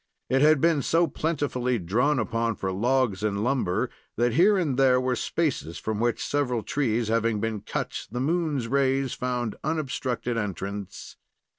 It had been so plentifully drawn upon for logs and lumber that here and there were spaces from which, several trees having been cut, the moon's rays found unobstructed entrance.